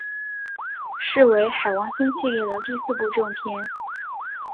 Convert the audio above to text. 是为海王星系列的第四部正篇。